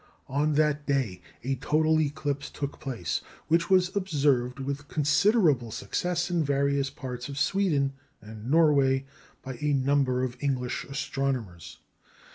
On that day a total eclipse took place, which was observed with considerable success in various parts of Sweden and Norway by a number of English astronomers.